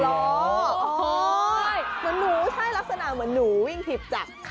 เหมือนหนูใช่ลักษณะเหมือนหนูวิ่งถิดจักร